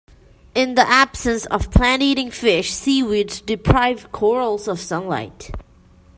In the absence of plant-eating fish, seaweeds deprive corals of sunlight.